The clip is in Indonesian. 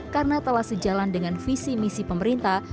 karena telah sejalan dengan visi misi pemerintah